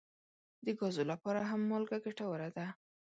د ګازو لپاره هم مالګه ګټوره ده.